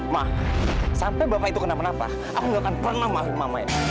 ma sampai bapak itu kenapa napa aku nggak akan pernah mahu mama itu